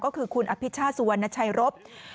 ก็คือคุณอภิชาสุวรรณชัยรบ